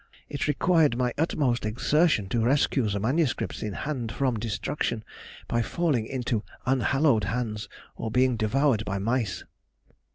It required my utmost exertion to rescue the manuscripts in hand from destruction by falling into unhallowed hands or being devoured by mice.